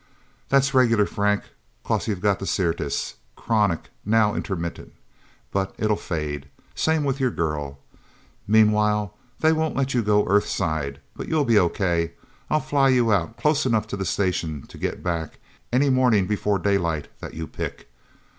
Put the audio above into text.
"That's regular, Frank. 'Cause you've got Syrtis. Chronic, now intermittent. But it'll fade. Same with your girl. Meanwhile, they won't let you go Earthside, but you'll be okay. I'll fly you out, close enough to the Station to get back, any morning before daylight, that you pick...